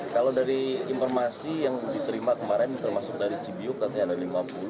kalau dari informasi yang diterima kemarin termasuk dari cibiu katanya ada lima puluh